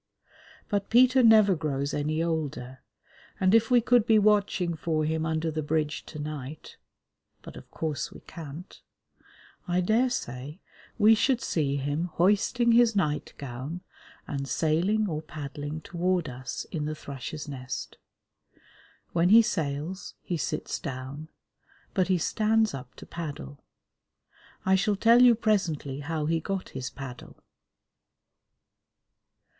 But Peter never grows any older, and if we could be watching for him under the bridge to night (but, of course, we can't), I daresay we should see him hoisting his night gown and sailing or paddling toward us in the Thrush's Nest. When he sails, he sits down, but he stands up to paddle. I shall tell you presently how he got his paddle.